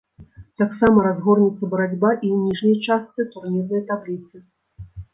Таксама разгорнецца барацьба і ў ніжняй частцы турнірнай табліцы.